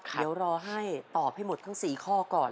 เดี๋ยวรอให้ตอบให้หมดทั้ง๔ข้อก่อน